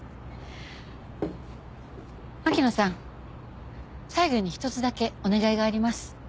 秋野さん最後に一つだけお願いがあります。